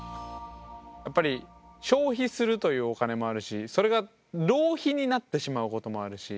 やっぱり消費するというお金もあるしそれが浪費になってしまうこともあるし